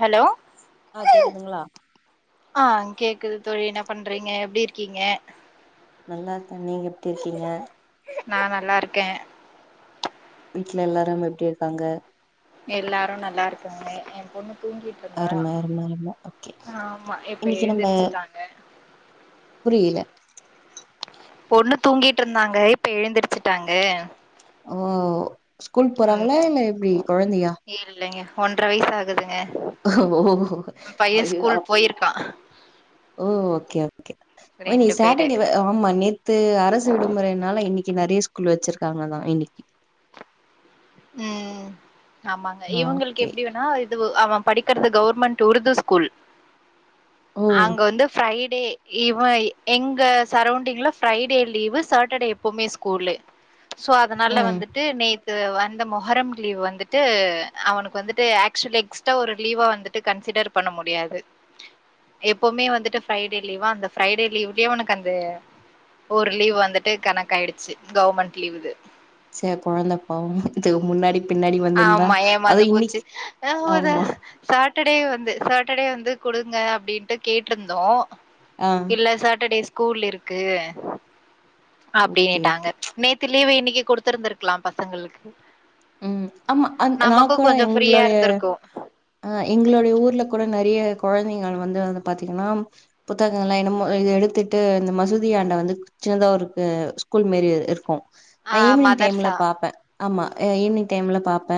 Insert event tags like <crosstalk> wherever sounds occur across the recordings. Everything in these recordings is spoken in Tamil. ஹலோ ஆ கேக்குதுங்ளா ஆ கேக்குது தோழி என்ன பண்றீங்க எப்டி இருக்கீங்க நல்லா இருக்கே நீங்க எப்டி இருக்கீங்க நா நல்லா இருக்கே வீட்ல எல்லாரும் எப்டி இருக்காங்க எல்லாரு நல்லா இருக்குங்க என் பொண்ணு தூங்கிட்டு இருந்தா அரும அரும அரும ஓகே ஆமா இப்ப இன்னைக்கு நம்ம எழுந்திரிச்சிட்டாங்க புரியல பொண்ணு தூங்கிட்டு இருந்தாங்க இப்ப எழுந்திருச்சிட்டாங்க ஓ ஸ்கூல் போறாங்களா ம் இல்ல எப்டி கொழந்தையா இல்லைங்க ஒன்ற வயசு ஆகுதுங்க ஓ பைய அயோ ஸ்கூல் அப் போயிருக்கா ஓ ஓகே ஓகே ஒ நீ ரெண்டு பேரு சாட்டடேவ ஆமா நேத்து அரசு விடுமுறைனால இன்னைக்கு நெறைய ஸ்கூல் வச்சிருக்காங்க தா இன்னைக்கி ம் ஆமாங்க ஆ இவங்களுக்கு ஓகே எப்டி வேணா து அவ படிக்கிறது கவர்மெண்ட் உருது ஸ்கூல் ஓ அங்க வந்து ஃப்ரைடே இவ எங்க சரௌண்டிங்ல ஃப்ரைடே லீவு சேட்டடே எப்போமே ஸ்கூலு சோ அதனால ம் வந்துட்டு நேத் து வந்த மொகரம் லீவ் வந்துட்டு அவனுக்கு வந்துட்டு ஆக்சுவலி எக்ஸ்ட ஒரு லீவா வந்துட்டு கன்சிடர் பண்ண முடியாது எப்பவுமே வந்துட்டு ஃப்ரைடே லீவா அந்த ஃப்ரைடே லீவுக்கே இவனுக்கு அந்த ஒரு லீவ் வந்துட்டு கணக்காயிடுச்சு கவுர்மெண்ட் லீவ்து ச கொழந்த பாவோ இதுக் முன்னாடி பின்னாடி வந்திருந்தா ஆமா அது ஏமாந்து போச்சு‌ இன்னைக்கு ஆமா <unintelligible> சாட்டடே வந்து சாட்டடே வந்து குடுங்க அப்டின்ட்டு கேட்ருந்தோ ஆ இல்ல சாட்டடே ஸ்கூல் இருக்கு ஓகே ஓகே அப்டின்னுட்டாங்க நேத் து லீவு இன்னிக்கு குடுத்துருந்திருக்லா பசங்களுக்கு ம் ஆமா அது நா நமக்கும் கூட கொஞ்சம் ஃப்ரீயா எங்களுடைய இருந்திருக்கும். அ எங்களுடைய ஊர்ல கூட நெறைய கொழந்தைகள் வந்து பாத்தீங்கனா புத்தகங்கள்லா என்னமோ இது எடுத்துட்டு இந்த மசூதியாண்ட வந்து சின்னதா ஒருக்கு ஸ்கூல் மேரி இருக்கு ஆ நா ஈவினிங் டைம்ல மதர்சா பாப்ப ஆமா ஈவினிங் டைம்ல பாப்ப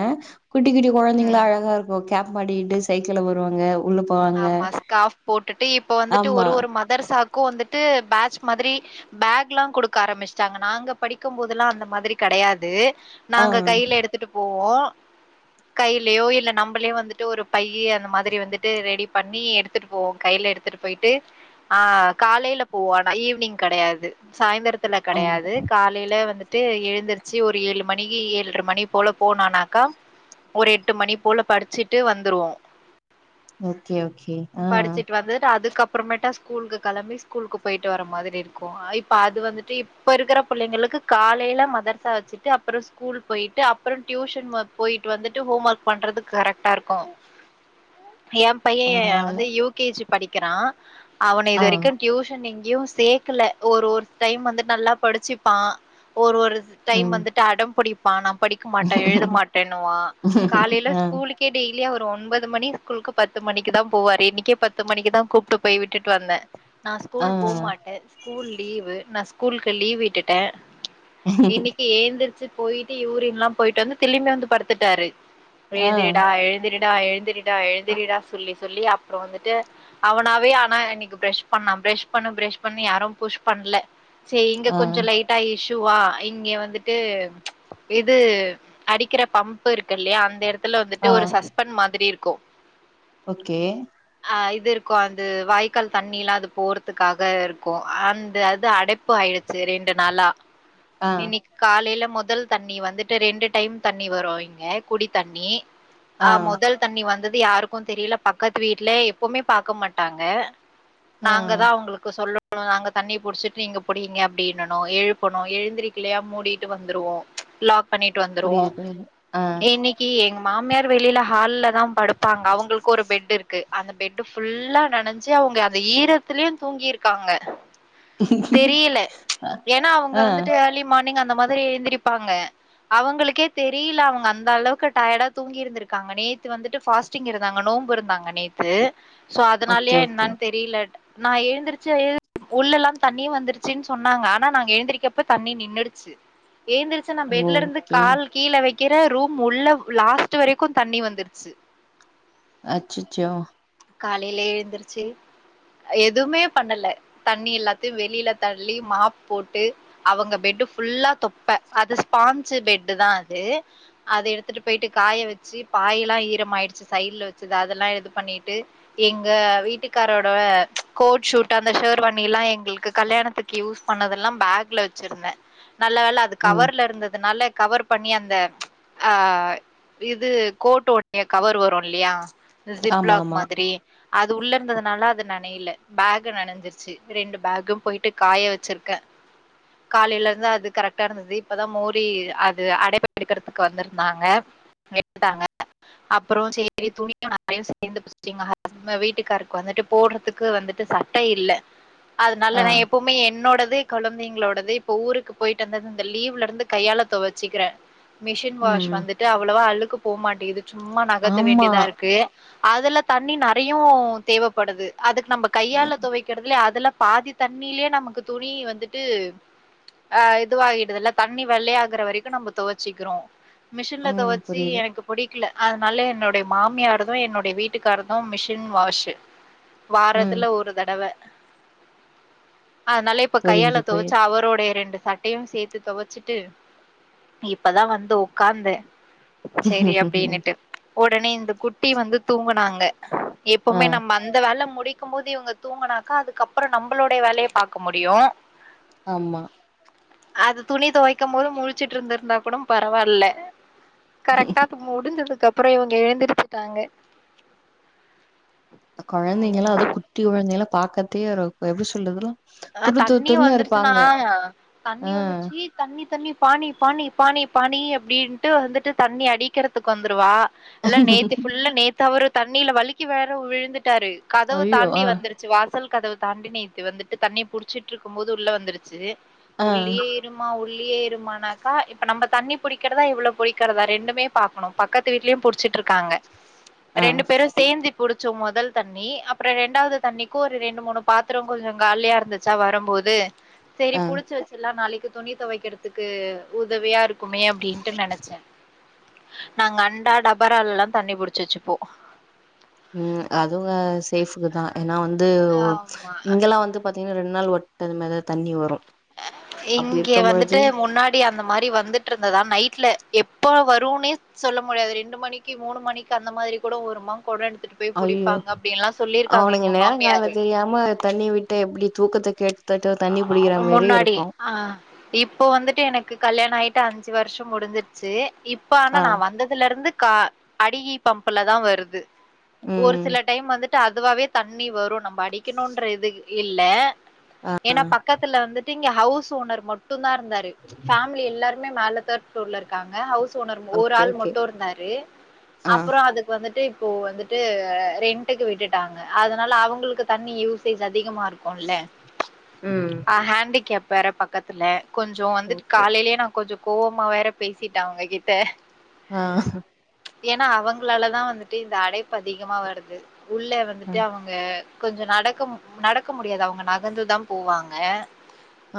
குட்டி குட்டி கொழந்தைங்களா ம். அழகா இரு ஓ கேப் மாட்டிட்டு சைக்கிள்ல வருவாங்க உள்ளப் ஆமா ஸ்காஃப் போட்டுட்டு இப்ப வந்துட்டு ஆமா ஒரு ஒரு மதர் சாக்கு வந்துட்டு பேட்ச் மாதிரி பேக்லா கொடுக்க ஆரம்பிஷ்டாங்க நாங்க படிக்கும் போதெல்லா அந்த மாதிரி கெடையாது ஆ நாங்க கையில எடுத் ட்டு போவோ கையிலயோ இல்ல நம்பளே வந்துட்டு ஒரு பையி அந்த மாதிரி வந்துட் ரெடி பண்ணி எடுத்துட்டு போவோ கையில எடுத்துட்டு போயிட்டு ஆ காலையில போவோ ஆனா ஈவினிங் கெடையாது சாய்ந்திரத்துல ஆ கெடையாது காலையில வந்துட்டு ஏழ்ந்துருச்சு ஒரு ஏழு மணிக்கு எல்ர மணி போல போனோனாக்கா ஒரு எட்டு மணி போல படிச்சிட்டு வந்துருவோ ஓகே ஓகே ஆ படிச்சிட்டு வந்துட்டு அதுக்கு அப்றமேட்டா ஸ் ஸ்கூலுக்கு களம்பி ஸ்கூலுக்கு போயிட்டு வர மாதிரி இருக்கு இப்ப அது வந்துட்டு இப்ப இருக்கிற புள்ளைங்களுக்கு காலையில மதர்சா வச்சிட்டு அப்பற ஸ்கூல் போயிட்டு அப்பற டியூஷன் போயிட்டு வந்துட்டு ஹோம் ஒர்க் பண்றது கரெக்டா இருக்கு எ பைய பரவால்ல வந்து யூகேஜி படிக்கிறா அவன இது ஆ வரைக்கு டியூஷன் எங் யு சேக்கல ஒரு ஒரு டைம் வந்து நல்லா படிச்சுப்பா ஒரு ஒரு டைம் ம் வந்துட்டு அடம் புடிப்பா நா படிக்க மாட்ட எழுத மாட்டன்னுவா காலைல ஆ ஸ்கூலுக் கே டெய்லி அவரு ஒன்பது பத்து மணி ஸ்கூலுக்கு பத்து மணிக்கு தா போவாரு இன்னிக்கே பத்து மணிக்கு தா கூப்ட்டு போய் விட்டுட்டு வந்த நா ஆ ஸ்கூல் போ மாட்ட ஸ்கூல் லீவு நா ஸ்கூலுக்கு லீவ் விட்டுட்ட இன்னிக்கு ஏந்திரிச்சி போயிட்டு யூரின்லா போயிட்டு வந்து திலிம்ப வந்து படுத்துட்டாரு ஆ எழுந்திரிடா எழுந்திரிடா எழுந்திரிடா எழுந்திரிடா சொல்லி சொல்லி அப்புறம் வந்துட்டு அவனாவே ஆனா இன்னிக்கு ப்ரஷ் பண்ணா ப்ரஷ் பண்ணு ப்ரஷ் பண்ணு யாரும் புஷ் பண்ல செரி இங்க ஆ கொஞ்சோ லைட்டா இஷூவா இங்க வந்துட்டு இது அடிக்கிற பம்ப்பு இருக்கு இல்லையா அந்த இட த்துல வந்துட்டு ஆ ஒரு சஸ்பண் மாதிரி இருக்கோ ஓகே அ இது இருக்கோ அது வாய்க்கால் தண்ணி லா அது போறதுக்காக இருக்கோ அந்த அது அடைப் ப்பு ஆய்டுச்சி ரெண்டு நாளா ஆ இன்னிக் காலைல மொதல் தண்ணி வந்துட்டு ரெண்டு டைம் தண்ணி வரும் இங்க குடி தண்ணி ஆ மொதல் தண்ணி வந்தது யாருக்கு தெரில பக்கத்து வீட்டுல எப்போமே பாக்க மாட்டாங்க நாங்க ஆ தா அவங்களுக்கு சொல்லு நாங்க தண்ணி புடிச்சிட்டு நீங்க புடிங்க அப்டின்னனு எழுப்பணு எழுந்திரிக்கலையா மூடிட்டு வந்துருவோ லாக் லாக் பண்ணிட்டு வந்துருவோ புரியுது புரியுது ஆ இனிக் கி எங்க மாமியார் வெளில ஹால்ல தா படுப்பாங்க அவுங்களுக்கு ஒரு பெட்டு இருக்கு அந்த பெட்டு ஃபுல்லா நனஞ்சு அவுங்க அந்த ஈரத்துலயு தூங்கியிருக்காங்க தெரியல ஏன்னா அவுங்க ஆ வந்துட்டு ஏர்லி மார்னிங் அந்த மாதிரி எந்திருப்பாங்க அவுங்களுக்கே தெரியல அவுங்க அந்த அளவுக்கு டயர்டா தூங்கி இருந்திருக்காங்க நேத் த்து வந்துட்டு ஃபாஸ்டிங் இருந்தாங்க நோம்பு இருந்தாங்க நேத்து சோ ஓகே அதனாலேயா ஓகே என்னான்னு தெரியல நா எழுந்துருச்சு எழு உள்ளல்லா தண்ணி வந்துருச்சின் சொன்னாங்க ஆனா நாங்க எழுந்திரக்கப்ப தண்ணி நின்னுடுச்சி எழுந் ச்சி நா பெட்ல இருந்து ஓகே கால் கீழே வெக்கிற ரூம் உள்ள லாஸ்ட் வரைக்கு தண்ணி வந்து ச்சு அச்சிச்சோ காலைலேயே எழுந்திருச்சு எதுவுமே பண்ணல தண்ணி எல்லாத்தையு வெளியில தள்ளி மாப் போட்டு அவுங்க பெட்டு் ஃபுல்லா தொப்ப அது ஸ்பான்சி பெட்டு் தா அது அத எடுத்துட்டு போயிட்டு காய வெச்சி பாயெல்லா ஈரம் ஆயிடுச்சி சைட்ல வெச்சது அதெல்லா இது பண்ணிட்டு எங்க வீட்டுக்காரோட கோட் ஷூட் அந்த ஷேர் வாணில்லா எங்களுக்கு கல்யாணத்துக்கு யூஸ் பண்ணதெல்லா பேக்ல வெச்சிருந்த நல்ல வேல அது ம் கவர்ல இருந்ததுனால கவர் பண்ணி அந்த ஆ இது கோட்டு உடைய கவர் வரு இல்லையா ஜிப் ஆமா லாக் ஆமா மாதிரி அது உள்ள இருந்ததுனால அது நனையில பேக் நனைஞ்சிருச்சி ரெண்டு பேகும் போயிட்டு காய வெச்சிருக்கே காலையில இருந்து அது கரெக்ட்டா இருந்தது இப்பதா மோரி அது அடைப்பு எடுக்கறதுக்கு வந்திருந்தாங்க வெப்பாங்க அப்றோ சேரி துணியு நறைய சேந்து எங்க ஹஸ்ப வீட்டுக்காருக்கு வந்துட்டு போட்றதுக்கு வந்துட்டு சட்ட இல்ல அதுனால ஆ நா எப்பவுமே என்னோடது கொழந்தைங்களோடது இப்ப ஊருக்கு போயிட்டு வந்தது இந்த லீவ்ல இருந்து கையாள துவச்சுக்கிறே மிஷின் வாஷ் ம் வந்துட்டு அவ்வளவா அழுக்கு போமாட்டேங்குது சும்மா நகர்த்த ஆமா வேண்டிதா இருக்கு அதல தண்ணி நறையு தேவப்படுது அதுக்கு நம்ம ம் கையால துவைக் க்கறதுல அதல பாதி தண்ணிலேயே நமக்கு துணி வந்துட்டு அ இதுவாகிடுது இல்ல தண்ணி வெள்ளையாகற வரைக்கு நம்ம துவச்சிக்கிறோ மிஷின்ல ம். தொவச்சு புரியுது எனக்கு பிடிக்கல அதனால என்னுடைய மாமியாரதும் என்னுடைய வீட்டுக்காரதும் மிஷின் வாஷ்ஷு ம் வாரத்துல ஒரு தடவ அதனால இப்ப புரியுது கையால துவச்சு புரியுது அவரோடைய ரெண்டு ச ட்டையு சேத்து துவச்சிட்டு இப்பதா வந்து உக்காந்தே சேரி அப்டின்னுட்டு உடனே இந்த குட்டி வந்து தூங்குனாங்க ஆ எப்போமே நம்ம அந்த வேலை முடிக்கும் போது இவுங்க தூங்கனாக்கா அதுக்கப்புறம நம்மளுடைய வேலைய பாக்க முடியு ஆமா அது துணி துவைக்கும் போது முழிச்சுட்டு இருந்திருந்தா கூட பரவால்ல கரெக்டா இப்ப முடிஞ்சதுக்கு அப்புற இவுங்க எழுந்திருச்சுட்டாங்க இப்ப குழந்தைங்களா அது குட்டி குழந்தைல்லா பாக்கத்தே எப்டி சொல்றதுலா அ துரு துரு தண்ணி துருன்னு வந்துருச்சுனா இருப்பாங்க தண்ணி ஆ வந்துருச்சு தண்ணி தண்ணி பானி பானி பானி பானி அப்டின்ட்டு வந்துட்டு தண்ணி அடிக்கறத்துக்கு வந்துருவா எல்லா நேத்து ஃபுல்லா நேத்து அவரு தண்ணியில வலிக்கி வேற விழுந்துட்டாரு கதவ ஐயோ தாண்டி ஆ வந்துரு ச்சு வாசல் கதவ தாண்டி நேத்து வந்துட்டு தண்ணி புடிச்சிட்டு இருக்கும் போது உள்ள வந்துருச்சு ஆ உள்ளே இருமா உள்ளேயே இருமானாக்கா இப்ப நம்ம தண்ணி புடிக்கிறதா இவள பிடிக்கிறதா ரெண்டுமே பாக்கணு பக்கத்து வீட்லயு புடிச்சிட்டு இருக்காங்க ஆ ரெண்டு பேரு சேந்து புடிச்ச முதல் தண்ணி அப்புற ரெண்டாவது தண்ணிக்கு ஒரு ரெண்டு மூணு பாத்திரோ கொஞ்ச காலியா இருந்துச்சா வரம்போது செரி ஆ புடிச்சு வச்சலா நாளைக்கு துணி துவைக்கிறதுக்கு உதவியா இருக்குமே அப்டின்ட்டு நினைச்சே நாங்க அண்டா டபரா எல்லா தண்ணி புடிச்சு வச்சுப்போ ம் அது சேஃப்க்கு தா ஏனா வந்து ஆமா இங்கெல்லா வந்து பாத்தீங்கன்னா ரெண்நாள் ஒ அது மாத தண்ணி வரு அப்டி இங்கே இருக்கம் வந்துட்டு போது முன்னாடி அந்த மாரி வந்துட்டு இருந்ததா நைட்ல எப்ப வருன்னே சொல்ல முடியாது ரெண்டு மணிக்கு மூணு மணிக்கு அந்த மாரி கூட ஒரு மாம் கொட எடுத்துட்டு போய் ஐயோ புடிப்பாங்க அப்டின்லா சொல்லிருக்காங்க அவனுங்க எங்க நேரங்கால மாமியாரு தெரியாம தண்ணி விட்டா எப்டி தூக்கத்த கேட் தொட்ட தண்ணி பிடிக்கிற மாரியே முன்னாடி இருக்கு ஆ இப்போ வந்துட்டு எனக்கு கல்யாண ஆயிட்டு அஞ்சு வருஷ முடிஞ்சிருச்சு இப் ப்ப ஆனா ஆ நா வந்ததுல இருந்து கா அடிகி பம்புலதா வருது ஒரு ம் சில டைம் வந்துட்டு அதுவாவே தண்ணி வரு நம்ம அடிக்கணுன்ற இது இல்ல ஏன்னா பக்கத்துல வந்துட்டு இங்க ஹவுஸ் ஓனர் மட்டுந்தா இருந்தாரு ஃபேமிலி எல்லாரு மேல தேர்ட் ஃப்ளோர்ல இருக்காங்க ஹவுஸ் ஓனர் ஒரு ஓகே ஆள் ஓகே மட்டு இருந்தாரு ஆ அப்புற அதுக் கு வந்துட்டு இப்போ வந்துட்டு ரென்ட்டுக்கு விட்டுட்டாங்க அதுனால அவுங்களுக்கு தண்ணி யூசேஜ் அதிகமா இருக்கு குல்ல ம் ஹேண்டிகேப் வேற பக்கத்துல கொஞ்சோ வந்துட்டு ஓகே காலையிலே நா கொஞ்ச கோவமா வேற பேசிட்ட அவுங்க கிட்ட ஆ ஏன்னா அவுங்களாலதா வந்துட்டு இந்த அடைப்பு அதிகமா வருது உள்ள ஆ வந்துட்டு அவுங்க கொஞ்ச நடக்க நடக்க முடியாது அவங்க நகந்துதா போவாங்க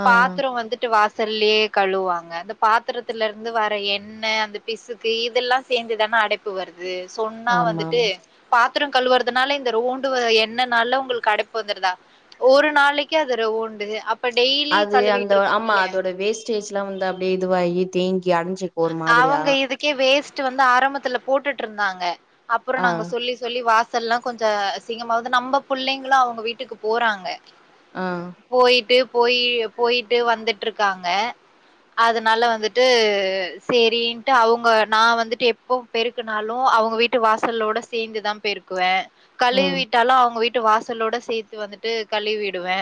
பாத்திர வந்துட்டு வாசல்லே கழுவுவாங்க அந்த பாத்திரத்துலருந்து வர எண்ணெய் அந்த பிசுக்கு இதெல்லா சேந்துதானே அடைப்பு வருது அது சொன்னா ஆமா ஆமா வந்துட்டு பாத்திரோ கழுவுறதுனால இந்த ரோண்டு என்ன நால உங்களுக்கு அடைப்பு வந்துருதா ஒரு நாளைக்கு க்காதது உண்டு அப் அது அந்த ஆமா அதோட வேஸ்டேஜ் எல்லா வந்து அப்டியே இதுவாகி தேங்கி அடைஞ்சு அவங்க இதுக்கே வேஸ்ட் வந்து ஆரம்பத்துல போட்டுட்டு இருந்தாங்க அப்புற ஆ நாங்க சொல்லி சொல்லி வாசல்லல்லா கொஞ்ச அசீங்கமாவது நம்ம பிள்ளைங்களு அவங்க வீட்டுக்கு போறாங்க ஆ போயிட்டு போயி போயிட்டு வந்துட்டு இருக்காங்க அதனால வந்துட்டு செரின்ட்டு அவங்க நா வந்துட்டு எப்போ பெருக்குனாலு அவங்க வீட்டு வாசலோட சேந்துதா பெருக்கு குவே ம் கழுவிட்டாலு அவங்க வீட்டு வாசலோட சேத்து வந்துட்டு கழுவிடுவே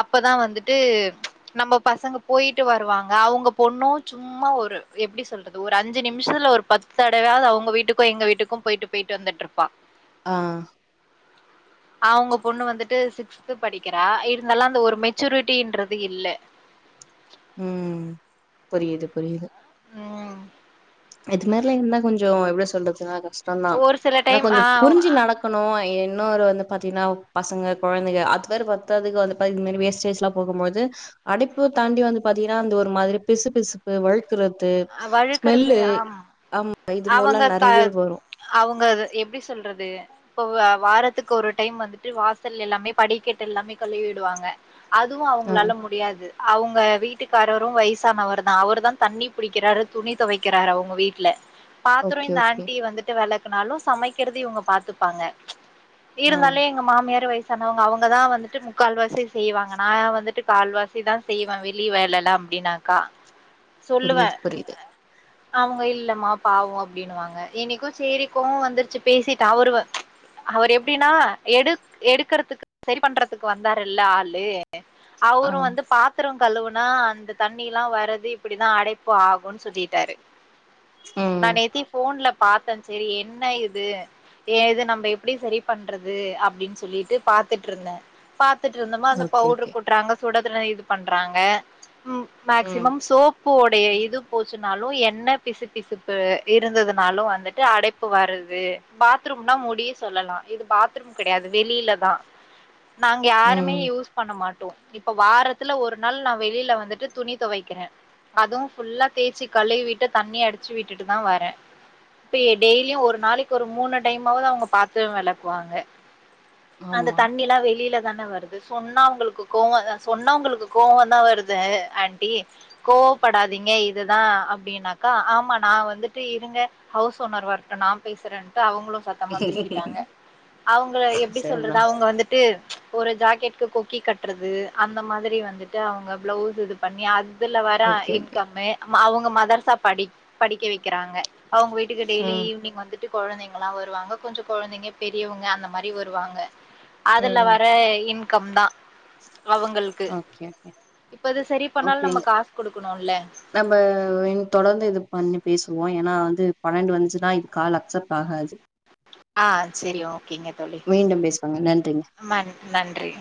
அப்பதா வந்துட்டு நம்ம பசங்க போயிட்டு வருவாங்க அவங்க பொண்ணு சும் மா ஒரு எப்டி சொல்றது ஒரு அஞ்சு நிமிஷத்துல ஒரு பத்து தடவாவது அவங்க வீட்டுக்கு எங்க வீட்டுக்கு போயிட்டு போயிட்டு வந்துட்டு இருப்பா <inaudible> ஆ <inaudible> அவங்க பொண்ணு வந்துட்டு சிக்ஸ்து படிக்கிறா இருந்தாலு அந்த ஒரு மெச்சூரிட்டன்றது இல்ல ம் புரியுது புரியுது ம் இது மாறில்ல இருந்தா கொஞ்சோ எப்டி சொல்றதுன்ன கஷ்டம்தா ஒரு சில ஏன்னா டைம் கொஞ்சோ ஆ புரிஞ்சு நட க்கனு இன்னொரு வந்து பாத்தீங்கன்னா பசங்க கொழந்தைங்க அது வேற பத்ததுக்கு வந்து பாத்த இந்த மாரி வேஸ்டேஜ் எல்லா போகும்போது அடைப்பு தாண்டி வந்து பாத்தீங்கன்னா அந்த ஒரு மாதிரி பிசு பிசுப்பு வழு க்கிறது வழுக்கறது ஸ்மெல்லு ஆமா ஆமா இது மூல அவங்க க நெறையவே வரு அவங்க அத எப்டி சொல்றது இப்போ வ வாரத்துக்கு ஒரு டைம் வந்துட்டு வாசல் எல்லாமே படிக்கட்டை எல்லாமே கழுவி விடுவாங்க அதுவு ஆ அவங்களால முடியாது அவங்க வீட்டுக்காரரு வயசானவரு தா அவரு தா தண்ணி புடிக்கிறாரு துணி தொவைக்கிறாரு அவங்க வீட்டுல பாத்திரோ ஓகே இந்த ஓகே ஆண்டி வந்து ட்டு வெளக்குனாலு சமைக்கிறது இவங்க பாத்துப்பாங்க ஆ இருந்தாலே எங்க மாமியாரு வயசானவங்க அவங்க தா வந்துட்டு முக்கால்வாசி செய்வாங்க நா வந்துட்டு கால்வாசி தா செய்வேன் வெளிய வேல அப்டின்னாக்கா சொல்லுவே புரியுது புரியுது அவங்க இல்லமா பாவோ அப்டின்னுவாங்க எனைக்கு சேரி கோவ வந்துருச்சு பேசிட்ட அவரு அவரு எப்டினா எடு எடுக்கறதுக்கு சரி பண்றதுக்கு வந்தாருல்ல ஆளு ஆ அவரு வந்து பாத்திரோ கழுவுனா அந்த தண்ணிலா வரது இப் டி தா அடைப்பு ஆகுன்னு சொல்லிட்டாரு நா ம் நேத்தி ஃபோன்ல பாத்தே செரி என்ன இது ஏ இது நம்ம எப்டி செரி பண்றது அப்டின்னு சொல்லிட்டு பாத்துட்டு இருந்தே பாத் துட்டு இருந்தோமா அந்த ஓகே பவுடரு ஓகே கொட்டுறாங்க சுட இது பண்றாங்க ம் ம் மேக்சிமம் சோப் உப்போடைய இது போச்சுனாலு எண்ண பிசு பிசுப்பு இருந்ததுனாலு வந்துட்டு அடைப்பு வருது பாத்ரூம்னா முடிய சொல்லலா இது பாத்ரூம் கடையாது வெளியிலதா நாங்க யாருமே ம் யூஸ் பண்ண மாட்டோ இப்ப வாரத்துல ஒரு நாள் நா வெளியில வந்துட்டு துணி துவைக்கறே அதுவு ஃபுல்லா தேச்சு கழிவிட்டு தண்ணி அடிச்சு விட்டுட்டு தா வரே இப்ப டெய்லியு ஒரு நாளைக்கு ஒரு மூணு டைமால்து அவுங்க பாத்ர வெளக்குவாங்க அந்த ஆமா தண்ணிலா வெளில தான வரு இது சொன்ன உங்களுக்கு கோவதா சொன்ன உங்களுக்கு கோவ தா வருது ஆண்டி கோவப்படாதீங்க இதுதா அப்டின்னாக்கா ஆமா நா வந்துட்டு இருங்க ஹவுஸ் ஓனர் வரட்டு நா பேசறேன்ட்டு அவங்களு ச த்தமா பேசிட்டாங்க அவங்கள எப்டி சொல்றது சரிதா அவங்க வந்துட் டு ஒரு ஜாக்கெட்கு கொக்கி கட்டுறது அந்த மாதிரி வந்துட்டு அவங்க பிளவுஸ் இது பண்ணி அது இதுல வரா ஓகே ஓகே இன்கம்மு ம அவுங்க மதர்ஸா படி படிக்க வெக்கிறாங்க அவுங்க வீட்டுக்கு டெய்லி ம் ஈவினிங் வந்து ட்டு கொழந்தைங்கல்லா வருவாங்க கொஞ்ச கொழந்தைங்க பெரியவுங்க அந்த மாரி வருவாங்க அதுல ம் வர இன்கம் தா அவ்ங்களுக்கு ஓகே ஓகே இப்ப அது செரி பண்ணாலு ஓகேங்க நம்ம காசு குடுக்கணுல்ல நம்ம இனி தொடர்ந்து இது பண்ணி பேசுவோ ஏனா வந்து பன்னெண்டு வந்துச்சுன்னா இது கால் அக்செப்ட் ஆகாது ஆ செரி ஓகேங்க தோழி மீண்டும் பேசுவாங்க நன்றி மன் நன்றி